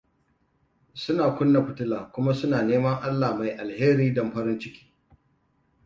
Suna kunna fitila kuma suna neman Allah mai alheri don farin ciki.